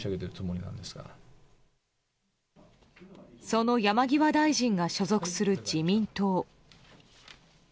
その山際大臣が所属する自民党。